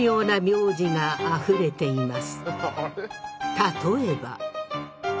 例えば。